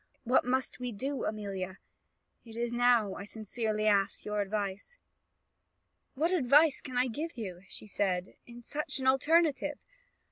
What must we do, Amelia? It is now I sincerely ask your advice." "'What advice can I give you,' said she, 'in such an alternative?